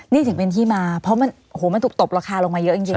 นี่ถึงเป็นที่มาเพราะมันถูกตบราคาลงมาเยอะจริง